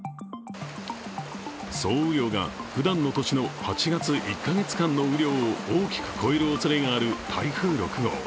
総雨量が、ふだんの年の８月１か月間の雨量を大きく超えるおそれがある台風６号。